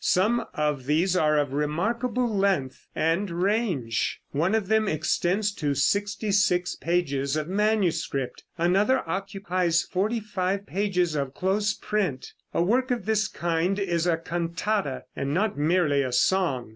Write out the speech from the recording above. Some of these are of remarkable length and range. One of them extends to sixty six pages of manuscript. Another occupies forty five pages of close print. A work of this kind is a cantata, and not merely a song.